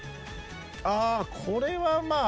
あこれはまあ。